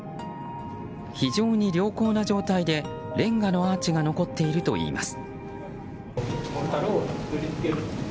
非常に良好な状態でレンガのアーチが残っているといいます。